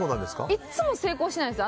いつも成功してないです。